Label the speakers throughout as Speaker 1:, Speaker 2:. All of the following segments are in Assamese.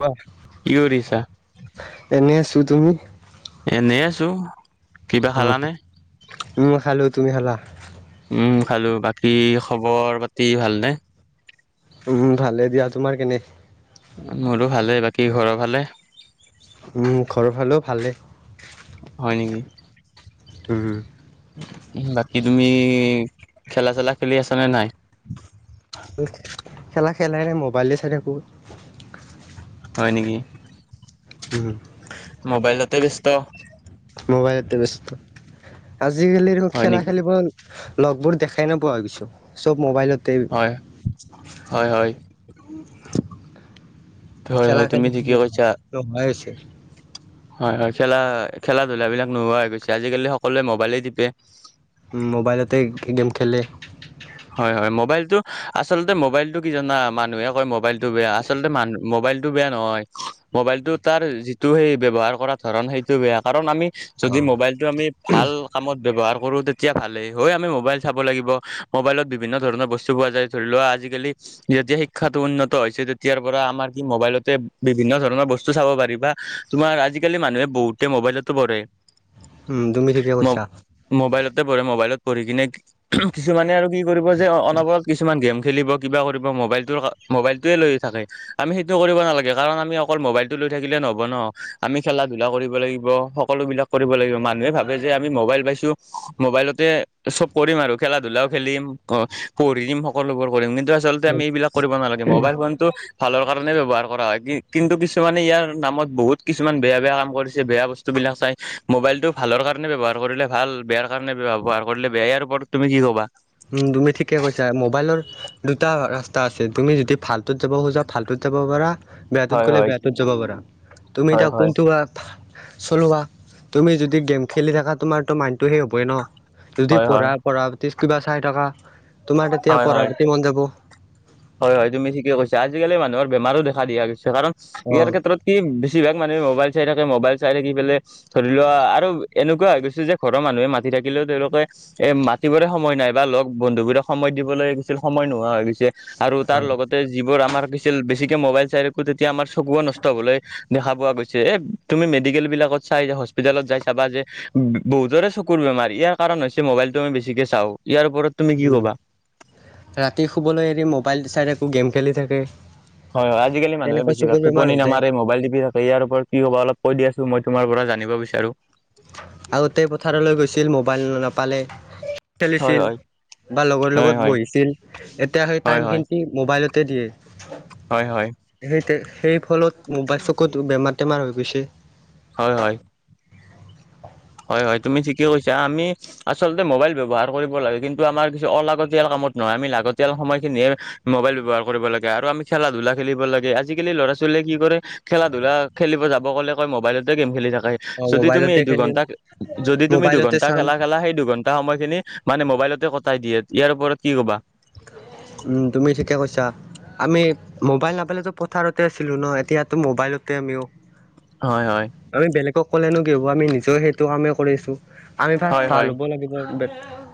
Speaker 1: দিবা
Speaker 2: কি কৰিছা?
Speaker 1: এনেই আছো, তুমি?
Speaker 2: এনেই আছোঁ, কিবা
Speaker 1: উম
Speaker 2: খালানে?
Speaker 1: উম খালোঁ, তুমি খালা?
Speaker 2: উম খালো। বাকী খবৰ পাতি ভালনে?
Speaker 1: উম ভালে দিয়া, তোমাৰ কেনে?
Speaker 2: মোৰো ভালে। বাকী ঘৰৰ ভালে?
Speaker 1: উম ঘৰৰ ফালো ভালেই।
Speaker 2: হয়, নেকি?
Speaker 1: উম,
Speaker 2: বাকী তুমি, খেলা-চেলা খেলি আছ নে, নাই?
Speaker 1: খেলা খেলাই, নাই মোবাইলে চাই থাকোঁ।
Speaker 2: হয়, নেকি?
Speaker 1: উম,
Speaker 2: মোবাইলতে, ব্যস্ত।
Speaker 1: মোবাইলতে বস্ত, আজিকালি
Speaker 2: হয়
Speaker 1: খেলা,
Speaker 2: নেকি?
Speaker 1: খেলিব লগবোৰ দেখাই নোাপোৱা হৈ গৈছো, কিছু চ'ব মোবাইলতে।
Speaker 2: হয়, হয়, হয়, হয়, হয় তুমি
Speaker 1: খেলা-খেলি
Speaker 2: ঠিকে কৈছা।
Speaker 1: [unintelligible]
Speaker 2: হয়, হয়, খেলা-খেলা, ধূলাবলাক নোহোৱা হৈ গৈছে, আজিকালি সকলোৱে মোবাইলে টিপে।
Speaker 1: মোবাইলতে গেম খেলে।
Speaker 2: হয়, হয়, মবাইলতটো আচলতে মোবাইলতটো কি জানা, মানুহে কয় মোবাইলটো বেয়া, আচলতে মানুহ মোবাইলটো বেয়া নহয়, মোবাইলটো তাৰ যিটো সেই, ব্যৱহাৰ কৰা ধৰণ সেইটো বেয়া, কাৰণ আমি।
Speaker 1: অ
Speaker 2: যদি মোবাইলটো আমি ভাল কামত ব্যৱহাৰ কৰো, তেতিয়া ভালেই, হয় আমি মোবাইল চাব লাগিব। মোবাইলত বিভিন্ন ধৰণৰ বস্তু পোৱা যায়, ধৰি লোৱা আজিকালি। যেতিয়া শিক্ষাটো উন্নত হৈছে, তেতিয়াৰ পৰা আমাৰ কি মোবাইলতে বিভিন্ন ধৰণৰ বস্তু চাব পাৰিবা। তোমাৰ আজিকালি মানুহে বহুতে মোবাইলতো, পঢ়ে।
Speaker 1: উম, তুমি ঠিকে কৈছা।
Speaker 2: ম'বাইলতে পঢ়ে, ম'বাইলত পঢ়ি কিনে, কিছুমানে আৰু কি কৰিব যে, অনবৰত কিছুমান গেম খেলিব। কিবা কৰিব, মোবাইলটোৰ, মোবাইলটোৱে লৈ থাকে। আমি সেইটো কৰিব নালাগে কাৰণ, আমি অকল মোবাইলতটো লৈ থাকিলে নহ'ব ন, আমি খেলা-ধূলা কৰিব লাগিব, সকলোবিলাক। কৰিব লাগিব, মানুহে ভাবে যে আমি মবাইল পাইছো, মোবাইলতে চ'ব কৰিম আৰু খেলা ধলাও খেলিম, পঢ়িম সকলোবোৰ কৰিম, কিন্তু আচলতে আমি এইবিলাক কৰিব নালাগে, মবাইল ফোন ত, ভালৰ কাৰণে ব্যৱহাৰ কৰা হয়, কিন্তু কিছুমানে ইয়াৰ নামত, বহুত কিছুমান বেয়া-বেয়া কাম কৰিছে, বেয়া বস্তু স্তো, বিলক চাই, মবাইলটো ভালৰ কাৰনে ব্যৱহাৰ কৰিলে ভাল, বেয়াৰ কাৰনে ব্যৱহাৰ কৰিলে বেয়াই, ইয়াৰ ওপৰত তুমি কি ক কোৱা।
Speaker 1: উম, তুমি ঠিকে কৈছা, মোবাইলৰ। দুটা ৰাস্তা আছে, তুমি যদি ভালটোত যাব খোজা, ভালটোত যাব পাৰা। বেয়াটোত
Speaker 2: হয়
Speaker 1: গ'লে,
Speaker 2: হয়
Speaker 1: বেয়াটোত যাব পাৰা, তুমি
Speaker 2: হয়
Speaker 1: এতিয়া
Speaker 2: হয়
Speaker 1: কোনটো। চলোৱা তুমি যদি গেম খেলি থাকা, তোমাৰো মাইণ্ডটো শেষ হ'বই ন। যদি
Speaker 2: হয়
Speaker 1: পঢ়া,
Speaker 2: হয়
Speaker 1: পঢ়া পাতি কিবা চাই থকা, তোমাৰ, তেতিয়া
Speaker 2: হয়
Speaker 1: পঢ়া
Speaker 2: হয়।
Speaker 1: পাতি মন যাব।
Speaker 2: হয়, হয় তুমি ঠিকে কৈছা, আজিকালি মানুহৰ বেমাৰো দেখা দিয়া গৈছে কাৰণ, ইয়াৰ ক্ষেত্ৰত। কি বেছিভাগ মানুহে মোবাইল চাই থাকে, মোবাইল চাই থাকি পেলে, ধৰি লোৱা আৰু। এনেকুৱা হৈ গৈছে যে, ঘৰৰ মানুহে মাতি থাকিলেও তেওঁলোকে। এ, মাতিবৰে সময় নাই, বা লগ বন্ধুবোৰক সময় দিবলৈ গৈছিল সময় নোহোৱা হৈ গৈছে। আৰু তাৰ
Speaker 1: হয়।
Speaker 2: লগতে যিবোৰ আমাৰ কিছিল, বেছিকে মোবাইল চাই থাকো, তেতিয়া আমাৰ চকুুৱ নষ্ট হ'বলৈ দেখা পোৱা গৈছে, এই তুমি মেডিকেল বিলাকত চাই যে, হস্পিটেলত যাই চাবা যে বহুতৰে চকুৰ বেমাৰ, ইয়াৰ কাৰণ হৈছে মোবাইলটো আমি বেছিকে চাওঁ, ইয়াৰ ওপৰত। তুমি কি
Speaker 1: উম,
Speaker 2: ক'বা
Speaker 1: ৰাতি শুবলৈ এৰি মোবাইল চাই থাকো, গেম খেলি থাকে।
Speaker 2: হয়, আজিকালি মানুহে
Speaker 1: তেনেকৈ
Speaker 2: বেছিভাগ
Speaker 1: চকুৰ বেমাৰ
Speaker 2: টোপনি
Speaker 1: হৈ যায়
Speaker 2: নামাৰে মবাইল টিপি থাকে। ত, ইয়াৰওপৰত কি কবা, অলপ কৈ দিয়াচোন মই তোমাৰ পৰা জানিব বিচাৰো।
Speaker 1: আগতে পথাৰলৈ গৈছিল, মোবাইল নাপালে।
Speaker 2: হয়
Speaker 1: খেলিছিল
Speaker 2: হয়
Speaker 1: বা লগৰ,
Speaker 2: হয়
Speaker 1: লগত
Speaker 2: হয়
Speaker 1: বহিছিল, এতিয়া সেই
Speaker 2: হয় হয়
Speaker 1: টাইমখিনি। মোবাইলতে দিয়ে।
Speaker 2: হয় হয়।
Speaker 1: সেই সেই ফলত মোবাইল চকুত বেমাৰ টেমাৰ হৈ গৈছে।
Speaker 2: হয় হয়। হয় হয় তুমি ঠিকে কৈছা। আমি আচলতে মোবাইল ব্যৱহাৰ কৰিব লাগে, কিন্তু আমাৰ কিছু অলাগতিয়াল কামত নহয় আমি লাগতিয়াল সময়খিনিহে মোবাইল ব্যৱহাৰ কৰিব লাগে আৰু আমি খেলা- ধূলা খেলিব লাগে, আজিকালি ল'ৰা ছোৱালীয়ে কি কৰে খেলা -ধূলা খেলিব যাব ক'লে কয়, মোবাইলতে গেম খেলি থাকে
Speaker 1: অ
Speaker 2: যদি তুমি
Speaker 1: মোবাইলতে
Speaker 2: এই
Speaker 1: খেলিম
Speaker 2: দুঘন্টা যদি তুমি
Speaker 1: মোবাইলতে
Speaker 2: দুঘণ্টা
Speaker 1: চাম
Speaker 2: খেলা খেলা, সেই দুঘণ টা সময়খিনি মানে মোবাইলতে কটাই দিয়ে, ইয়াৰ ওপৰত কি ক'বা?
Speaker 1: উম তুমি ঠিকে কৈছা। আমি মোবাইল নাপালেতো পথাৰতে আছিলো ন, এতিয়াতো মবাইলতে আমিও
Speaker 2: হয় হয়।
Speaker 1: আমি বেলেগক ক'লেনো কি হ'ব, আমি নিজেও সেইটো কামেই কৰি আছোঁ। আমি ফাৰ্ষ্ট
Speaker 2: হয়
Speaker 1: ভাল
Speaker 2: হয়
Speaker 1: হ'ব লাগিব,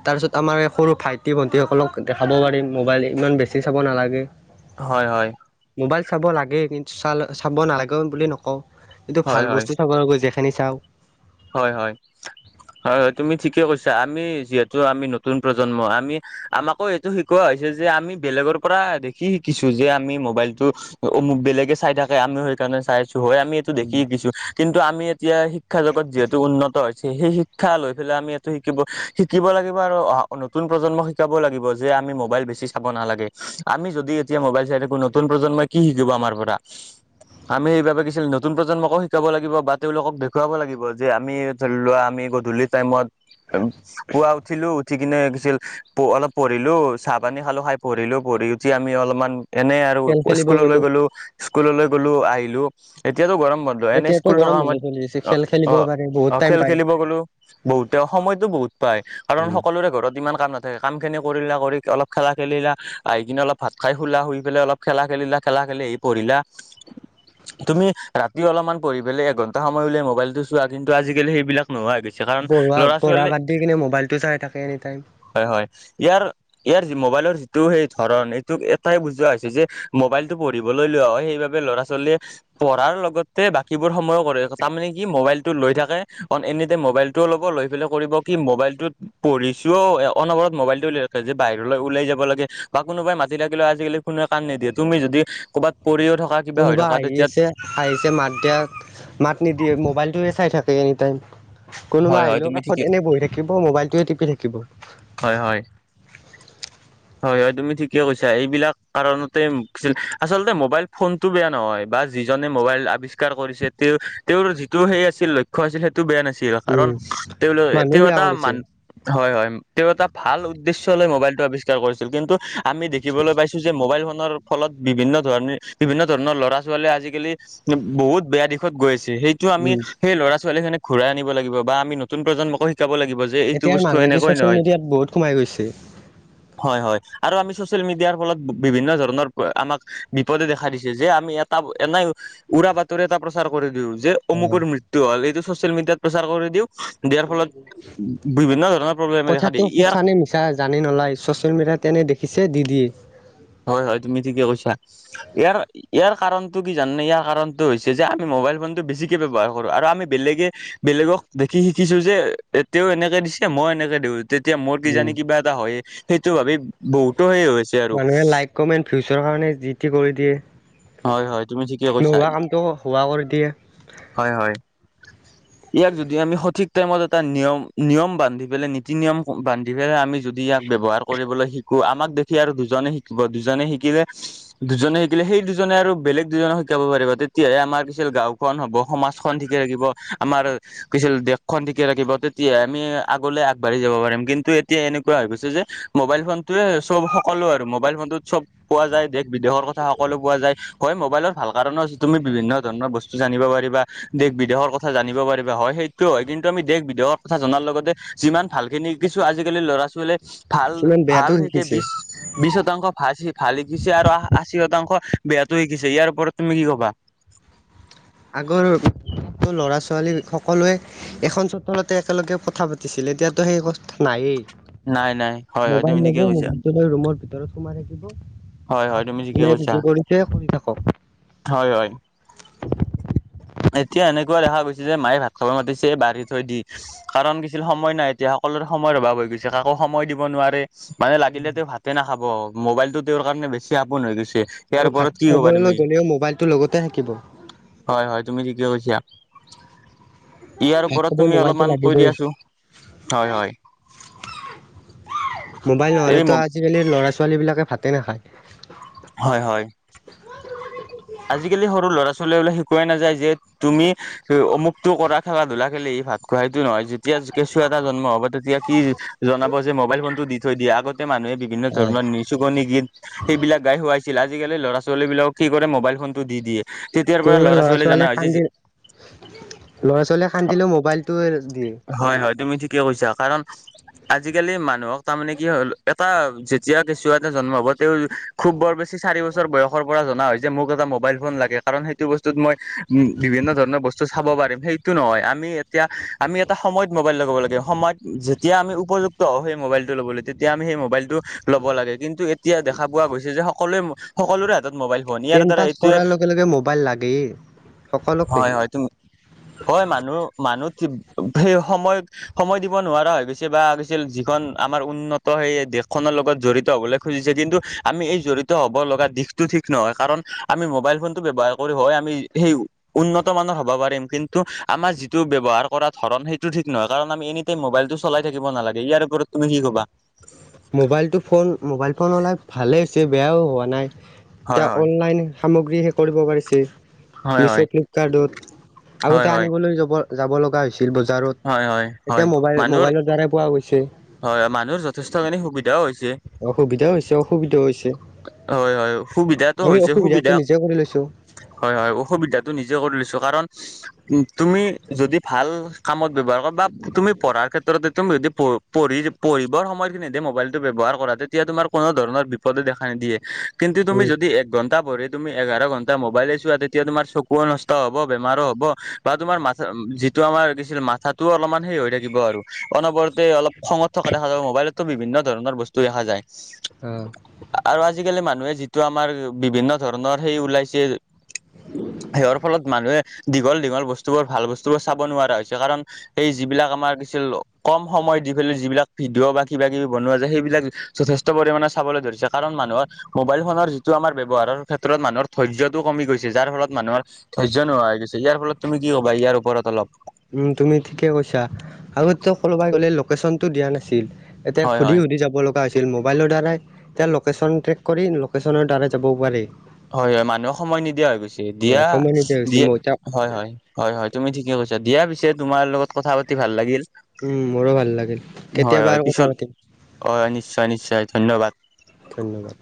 Speaker 1: তাৰ পিছত আমাৰ এই সৰু ভাইটি ভন্টি সকলক দেখাব পাৰিম, মোবাইল ইমান বেছি চাব নালাগে।
Speaker 2: হয় হয়।
Speaker 1: মোবাইল চাব লাগে কিন্তু চা চাব নালাগে বুলিও নকওঁ, কিন্তু
Speaker 2: হয়
Speaker 1: ভাল
Speaker 2: হয়
Speaker 1: বস্তু ৰ গৈ যেখিনি চাওঁ।
Speaker 2: হয়, হয়, হয়, হয়, তুমি ঠিকে কৈছা, আমি যিহেতু আমি নতুন প্ৰজন্ম আমি আমাকো এইটো শিকোৱা হৈছে যে, আমি বেলেগৰ পৰা দেখি শিকিছো যে আমি মোবাইলটো অ মোক বেলেগে চাই থাকে আমিও সেইকাৰণে চাই আছো, হয় আমি দেখি শিকিছো, কিন্তু আমি এতিয়া শিক্ষা জগত টো উন্নত হৈছে, সেই শিক্ষা লৈ পেলাই আমি এইটো শিকিব শিকিব লাগিব আৰু অ নতুন প্ৰজন্মক শিকাব লাগিব যে আমি মোবাইল বেছি চাব নালাগে, আমি যদি এতিয়া মোবাইল চাই থাকো নতুন প্ৰজন্মই কি শিকিব আমাৰ পৰা? আমি সেইবাবে কিছু নতুন প্ৰজন্মকো শিকাব লাগিব বা তেওঁলোকক দেখুৱাব লাগিব। যে আমি ধৰি লোৱা আমি গধূলি টাইমত, পুৱা উঠিলো উঠি কিনে কিছিল অলপ পঢ়িলো চাহ পানী খালো, খাই পঢ়িলো পঢ়ি উঠি আমি অলপমান এনে আৰু
Speaker 1: খেল খেলিব
Speaker 2: স্কুললৈ গ'লো স্কুললৈ গ'লো, আহিলো এতিয়াটো গৰম বন্ধ এনে স্কুল থকা সময়ত
Speaker 1: ঋষি
Speaker 2: অ
Speaker 1: খেল খেলি
Speaker 2: অ অ খেল খেলিব গলো, বহুতে সময়তো বহুত পাই কাৰণ
Speaker 1: উম।
Speaker 2: সকলোৰে ঘৰত ইমান কাম নাথা কাম খিনি কৰিলা, কৰি অলপ খেলা খেলিলা, আহি কিনে অলপ ভাত খাই শুলা, শুই পেলাই অলপ খেলা খেলিলা, খেলা খেলি আহি পঢ়িলা। তুমি ৰাতি অলপমান পঢ়ি পেলাই এঘন্টা সময় উলিয়াই মোবাইলটো চোৱা, কিন্তু আজিকালি সেইবিলাক নোহোৱা হৈ গৈছে কা
Speaker 1: পঢ়োৱা, পঢ়া বাদ দি কিনে মোবাইলটো চাই থাকে এনি টাইম।
Speaker 2: হয়, হয় ইয়াৰ ইয়াৰ মোবাইলৰ যিটো সেই ধৰণ, এইটো এটাই বুজোৱা হৈছে যে মোবাইলটো পঢ়িবলৈ লোৱা হয়, সেইবাবে ল'ৰা ছোৱালীয়ে পঢ়াৰ লগতে বাকীবোৰ সময়ো কৰে, তাৰ মানে কি মোবাইল টো লৈ থাকে, অ এনিটাইম মবাইলটোও ল'ব, লৈ পেলাই কৰিব কি মোবাইলটোত পঢ়িছোও অনবৰত মোবাইলটো লৈ থাকে যে, বাহিৰলৈ উলাই যাব লাগে বা কোনোবাই মাতি থাকিলেও আজিকালি কোনোৱে কান নিদিয়ে, তুমি যদি ক'ৰবাত পৰিও থকা কিবা হৈ
Speaker 1: কোনোবা
Speaker 2: থকা
Speaker 1: আহি
Speaker 2: তেতিয়া
Speaker 1: আছে, আহিছে মাত দিয়া মাত নিদিয়ে মোবাইলটোৱে চাই থাকে এনিটাইম। কোনোবা
Speaker 2: হয় হয়
Speaker 1: আহিলেও
Speaker 2: তুমি
Speaker 1: কাষত
Speaker 2: ঠিকে
Speaker 1: এনে বহি থাকিব, মোবাইলটোয়ে টিপি থাকিব।
Speaker 2: হয়, হয়। হয়ঁ হয়ঁ তুমি ঠিকে কৈছা এইবিলাক কাৰণতে ছিল আচলতে মোবাইল ফোন- টো বেয়া নহয় বা যিজনে মোবাইল আৱিষ্কাৰ কৰিছে তেওঁ তেওঁৰ যিটো সেই আছিল লক্ষ খোৱা আছিল সেইটো বেয়া নাছিল কাৰণ
Speaker 1: উম
Speaker 2: তেওঁলোক
Speaker 1: মানুহে
Speaker 2: তেওঁ
Speaker 1: বেয়া
Speaker 2: এটা
Speaker 1: কৰিছে।
Speaker 2: মান হয়ঁ হয়ঁ তেওঁ এটা ভাল উদ্দেশ্য লৈ মোবাইলটো আৱিষ্কাৰ কৰিছিল কিন্তু। আমি দেখিবলৈ পাইছোঁ যে মোবাইল ফোনৰ- ফলত বিভিন্ন ধৰণে বিভিন্ন ধৰণৰ ল'ৰা ছোৱালীয়ে আজিকালি বহুত বেয়া দিশত গৈ আছে সেই টো আমি
Speaker 1: উম
Speaker 2: সেই ল'ৰা ছোৱালী খিনিক ঘুৰাই আনিব লাগিব বা আমি নতুন প্ৰজন্মকো শিকাব লাগিব। যে এইটো
Speaker 1: এতিয়া
Speaker 2: বস্তু
Speaker 1: মানুহবোৰ
Speaker 2: এনেকৈ
Speaker 1: ছচিয়েল
Speaker 2: নহয়
Speaker 1: মিডিয়াত বহুত সোমাই গৈছে।
Speaker 2: হয়ঁ হয়ঁ আৰু আমি চচিয়েল মিডিয়াৰ ফলত বিভিন্ন ধৰণৰ আমাক বিপদে দেখাই দিছে যে আমি ইয়াত- তাত এনেই উৰা বাতৰি এটা প্ৰচাৰ কৰি দিওঁ যে।
Speaker 1: অ
Speaker 2: অমুকৰ মৃত্যু হ'ল এইটো ছ'চিয়েল মিডিয়াত প্ৰচাৰ কৰি দিওঁ। দিয়াৰ ফলত বিভিন্ন ধৰণৰ প্ৰব্লেমে দেখা
Speaker 1: কথাটো
Speaker 2: দিয়ে
Speaker 1: সঁচা
Speaker 2: ইয়াৰ-
Speaker 1: নে মিছা জানি নলয় ছ'চিয়েল মিডিয়াত তেনে দেখিছে দি দিয়ে।
Speaker 2: হয়ঁ হয়ঁ তুমি ঠিকে কৈছা ইয়াৰ- ইয়াৰ কাৰণটো কি জানোে ইয়াৰ কাৰণটো হৈছে যে আমি মোবাইল ফোনটো বেছিকৈ ব্যৱহাৰ কৰোঁ আৰু আমি বেলেগে- বেলেগক দেখি শিকিছোঁ যে এ তেওঁ এনেকে দিছে মই এনেকে দিওঁ। তেতিয়া মোৰ
Speaker 1: উম,
Speaker 2: কিজানি কিবা এটা হয়েই সেইটো ভাবি বহুতো সেই হৈছে। আৰু
Speaker 1: মানুহে লাইক কমেণ্ট ফিউচাৰৰ কাৰণে যি টি কৰি দিয়ে।
Speaker 2: হয় হয় তুমি ঠিকে কৈছা
Speaker 1: নোহোৱা কামটো ও হোৱা কৰি দিয়ে।
Speaker 2: হয়ঁ হয়ঁ। ইয়াক যদি আমি সঠিক টাইমত এটা নিয়ম নিয়ম বান্ধি পেলাই নীতি নিয়ম বান্ধি পেলাই আমি। যদি ইয়াক ব্যৱহাৰ কৰিবলৈ শিকো আমাক দেখি আৰু দুজনে শিকিব দুজনে শিকিলে- দুজনে শিকিলে সেই দুজনে আৰু বেলেগ দুজনক শিকাব পাৰিব তেতিয়াহে আমাৰ পিছে গাঁও। খন হব সমাজখন ঠিকে ৰাখিব আমাৰ- কিছু দেশখন ঠিকে ৰাখিব তেতিয়াহে আমি আগলৈ আগবাঢ়ি যাব পাৰিম কিন্তু এতিয়া এনেকুৱা হৈ গৈছে যে। মোবাইল ফোনটোৱে চব সকলো আৰু মোবাইল ফোনটোত চব পোৱা যায় দেশ। বিদেশৰ কথা সকলো পোৱা যায় হয় মোবাইলৰ ভাল কাৰণো আছে তুমি বিভিন্ন ধৰণৰ বস্তু জানিব পাৰিবা। দেশ বিদেশৰ কথা জানিব পাৰিবা হয় সেইটোও হয় কিন্তু আমি দেশ বিদেশৰ কথা জনাৰ লগতে- যিমান ভালখিনি শিকিছু আজিকালি লৰা ছোৱালীয়ে ভাল
Speaker 1: ইমান বেয়াটো
Speaker 2: ভাল সিকে
Speaker 1: শিকিছে
Speaker 2: বিশ- বিশ শতাংশ ফাল ভাল শিকিছে আৰু আশী শতাংশ বেয়াাত শিকিছে ইয়াৰ ওপৰত তুমি কি কবা?
Speaker 1: আগৰটো ল'ৰা ছোৱালী সকলোৱে- এখন চোতালতে একেলগে কথা পাতিছিল এতিয়াতো সেই কথা নাইয়েই।
Speaker 2: নাই নাই হয় হয় তুমি
Speaker 1: মোবাইল
Speaker 2: ঠিকে
Speaker 1: লব
Speaker 2: কৈছা
Speaker 1: মোবাইলটো লৈ ৰুমৰ ভিতৰত সোমাই
Speaker 2: হয় হয় তুমি ঠিকে
Speaker 1: থাকিব। যি কৰিছে শুনি থাকক।
Speaker 2: হয়ঁ হয়ঁ। এতিয়া এনেকুৱা দেখা গৈছে যে মায়ে ভাত খাব মাতিছে বাঢ়ি থৈ দি- কাৰণ কিছিল সময় নাই এতিয়া সকলোৰে সময়ৰ অভাৱ হৈ গৈছে কাকো সময় দিব নোৱাৰে। মানে লাগিলে তেওঁ ভাতে নাখাব মোবাইলতটো তেওঁৰ কাৰণে বেছি আপোন হৈ গৈছে। ইয়াৰ
Speaker 1: আৰু
Speaker 2: ওপৰত
Speaker 1: ভাত
Speaker 2: কি
Speaker 1: খাবলৈ গ'লেও মোবাইলটো লগতে থাকিব।
Speaker 2: হয়ঁ হয়ঁ তুমি ঠিকে কৈছা। ইয়াৰ
Speaker 1: ভাত
Speaker 2: ওপৰত
Speaker 1: খাব
Speaker 2: তুমি
Speaker 1: মোবাইলটো
Speaker 2: অলপমান কৈ
Speaker 1: লাগিবই
Speaker 2: দিয়াচোন হয়ঁ হয়ঁ।
Speaker 1: মোবাইল
Speaker 2: এই
Speaker 1: নহলেতো আজিকালি ল'ৰা ছোৱালী বিলাকে ভাতে নাখায়।
Speaker 2: হয়ঁ হয়ঁ। আজিকালি সৰু ল'ৰা ছোৱালী বোললে শিকোৱাই নাযায় যে তুমি অমুক টো কৰা খেলা ধূলা। আযি কালি ভাত খোহাইতটো নহয় যেতিয়া কেঁচুৱা এটাই জন্ম হ'ব তেতিয়া কি জনাব যে মোবাইল ফোনতটো দি- থৈ দিয়া আগতে মানুহে বিভিন্ন
Speaker 1: অ',
Speaker 2: ধৰণৰ নি চুকনি গীত সেইবিলাক গাই শোৱাইছিল, আজিকালি ল'ৰা ছোৱালী বিলাকক কি কৰে মোবাইল ফোনতটো দি দিয়ে। তেতিয়াৰ পৰা
Speaker 1: কোনোবা ল'ৰা
Speaker 2: ছোৱালী জানা
Speaker 1: ছোৱালীয়ে
Speaker 2: হৈছে যে
Speaker 1: কান্দি, ল'ৰা ছোৱালীয়ে খান্দিলেও মোবাইলটোৱে দিয়ে।
Speaker 2: হয় হয়, তুমি ঠিকে কৈছা কাৰণ আজিকালি মানুহক তাৰমানে কি হ'ল এটা যেতিয়া কেঁচুৱাএটা জন্ম হব তেওঁ খুব বৰ বেছি চাৰি বছৰ বয়স পৰা জনা হয় যে মোক এটা মোবাইল ফোন লাগে কাৰণ সেইটো বস্তুত মই উম, বিভিন্ন ধৰণৰ বস্তু চাব পাৰিম সেইটো নহয় আমি এতিয়া আমি এটা সময়ত মোবাইল লগবাব লাগে সময়ত যেতিয়া আমি উপযুক্ত হওঁ সেই মোবাইল লব তেতিয়া আমি সেই মোবাইলটো ল'ব লাগে কিন্তু এতিয়া দেখা পোৱা গৈছে যে সকলোৱে সকলোৰে হাতত মোবাইল ফোন ইয়াৰ
Speaker 1: টেন
Speaker 2: দ্বাৰা
Speaker 1: পাছ
Speaker 2: এইটোৱে
Speaker 1: কৰাৰ লগে মোবাইল লাগেই সকলোকে
Speaker 2: হয় হয় তুমি হয় মানুহ মানুহ সেই সময়ত সময় দিব নোৱাৰা হৈ গৈছে বা গৈছিল যিখন আমাৰ উন্নত সেই দেশখনৰ লগত জড়িত হ'বলৈ খুজিছে কিন্তু আমি এই জড়িত হ'ব লগা দিশটো ঠিক নহয় কাৰণ আমি মোবাইল ফোনটো ব্যৱহাৰ কৰি হয় আমি সেই উন্নত মানৰ হ'ব পাৰিম কিন্তু আমাৰ যিটো ব্যৱহাৰ কৰা ধৰণ সেইটো ঠিক নহয় কাৰণ আমি এনি টাইম মোবাইলটো চাই থিব নালাগে ইয়াৰওপৰত তুমি কি কবা?
Speaker 1: মোবাইলতটো ফোন মোবাইল ফোন ওলাই ভালে হৈছে বেয়াও হোৱা নাই
Speaker 2: হয়
Speaker 1: এতিয়া
Speaker 2: হয়
Speaker 1: অনলাইন সামগ্ৰী শেই কৰিব পাৰিছে
Speaker 2: হয় হয়
Speaker 1: মিছ', ফ্লিপকাৰ্টত
Speaker 2: হয়
Speaker 1: আগতে
Speaker 2: হয়
Speaker 1: আনিবলৈ যাব যাব লগা হৈছিল বজাৰত
Speaker 2: হয় হয়
Speaker 1: এতিয়া মবাইল
Speaker 2: মানুহৰ
Speaker 1: মোবাইলৰ দ্বাৰা পোৱা গৈছে।
Speaker 2: হয় হয়, মানুহৰ যথেষ্টখিনি সুবিধাও হৈছে।
Speaker 1: সুবিধাও হৈছে অসুবিধাও হৈছে।
Speaker 2: হয় হয় সুবিধাটো
Speaker 1: আমি
Speaker 2: হৈছে
Speaker 1: অসুবিধাটো
Speaker 2: সুবিধা
Speaker 1: নিজে কৰি লৈছো
Speaker 2: হয় হয়, অসুবিধাতটো নিজে কৰি লৈছো কাৰণ উ তুমি যদি ভাল কামত ব্যৱহাৰ কৰা বা তুমি পঢ়াৰ ক্ষেত্ৰত তুমি যদি পঢ়ি পঢ়িবৰ সময়খিনিততে মোবাইলটো ব্যৱহাৰ কৰা তেতিয়া তুমাৰ কোনো ধৰণৰ বিপদে দেখা নিদিয়ে। কিন্তু তুমি
Speaker 1: উম
Speaker 2: যদি এক ঘন্টা পঢ়ি তুমি এঘাৰ ঘন্টা মোবাইলে চোৱা তেতিয়া তোমাৰ চকুও নষ্ট হ'ব বেমাৰো হ'ব বা তোমাৰ মাথা তটো আমাৰ কিছিল মাথাাতটোও অলপমান হেই হৈ থাকিব আৰু অনবৰতে অলপ খঙত থকা দেখা যায়াব মোবাইলতো বিভিন্ন ধৰণৰ বস্তু দেখা যায়।
Speaker 1: অ'।
Speaker 2: আৰু আজিকালি মানুহে যিটো আমাৰ বিভিন্ন ধৰণৰ সেই ওলাইছে সেই ফলত মানুহে দীঘল দীঘল বস্তুবোৰ ভাল বস্তুবোৰ চাব নোৱাৰা হৈছে কাৰণ এই যিবিলাক আমাৰ কিছু কম সময়ত যিবিলাক যিবিলাক ভিডিঅ' বা কিবা কিবি বনোৱা যায় সেইবিলাক যথেষ্ট পৰিমাণে চাবলৈ ধৰিছে কাৰণ মানুহৰ মোবাইল ফোনৰ যিটো আমাৰ ব্যৱহাৰৰ ক্ষেত্ৰত মানুহৰ ধৈৰ্যতটো কমি গৈছে যাৰ ফলত মানুহৰ ধৈৰ্য নোহোৱা হৈ গৈছে, ইয়াৰ ফলত তুমি কি ক'বা ইয়াৰ ওপৰত অলপ?
Speaker 1: উম, তুমি ঠিকে কৈছা আগত কোবাই গ'লে লোকেশ্যনটো দিয়া নাছিল। এতিয়া
Speaker 2: হয়
Speaker 1: সুধি
Speaker 2: হয়
Speaker 1: সুধি যাব লগ থোৱা হৈছিল মবাইলৰ দ্বাৰাই লোকেচন ট্ৰেক কৰি লোকাচনৰ দ্বাৰা যাবও পাৰি।
Speaker 2: হয় হয়, মানুহক সময় নিদিয়া হৈ গৈছে
Speaker 1: অ
Speaker 2: দিয়া
Speaker 1: সময় নিদিয়া হৈছে
Speaker 2: দিয়ে,
Speaker 1: মই এতিয়া
Speaker 2: হয় হয় হয় হয়, তুমি ঠিকে কৈছা দিয়া পিছে, তোমাৰ লগত কথা পাতি ভাল লাগিল।
Speaker 1: উম, মোৰো ভাল লাগিল।
Speaker 2: হয়
Speaker 1: কেতিয়াবা
Speaker 2: হয়,
Speaker 1: আৰু কথা
Speaker 2: পিছত
Speaker 1: পাতিম
Speaker 2: হয় নিশ্চয় নিশ্চয় ধন্যবাদ।
Speaker 1: ধন্যবাদ।